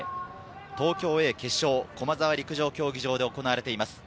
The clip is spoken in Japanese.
東京Ａ決勝、駒沢陸上競技場で行われています。